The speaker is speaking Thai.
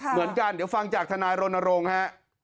เหมือนกันเดี๋ยวฟังจากทนายรณรงค์ฮะ